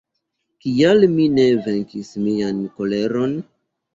Kial mi ne venkis mian koleron?